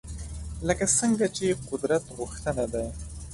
لکه څنګه چې قدرت غوښتنه ده